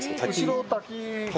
後ろ滝？